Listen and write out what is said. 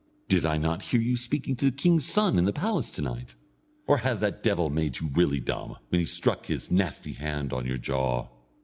Did I not hear you speaking to the king's son in the palace to night? Or has that devil made you really dumb, when he struck his nasty hand on your jaw?"